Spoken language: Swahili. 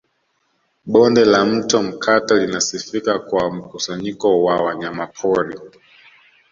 Bonde la Mto Mkata linasifika kwa mkusanyiko wa wanyamapori